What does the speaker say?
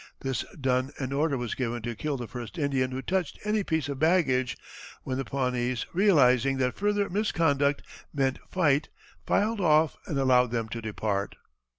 This done an order was given to kill the first Indian who touched any piece of baggage, when the Pawnees, realizing that further misconduct meant fight, filed off and allowed them to depart.